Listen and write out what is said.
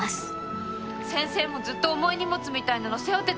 先生もずっと重い荷物みたいなの背負ってたんですよね？